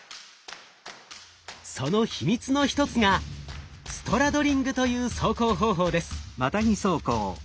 その秘密の一つがストラドリングという走行方法です。